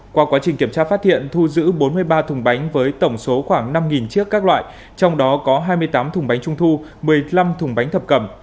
qua quá trình kiểm tra phát hiện thu giữ bốn mươi ba thùng bánh với tổng số khoảng năm chiếc các loại trong đó có hai mươi tám thùng bánh trung thu một mươi năm thùng bánh thập cầm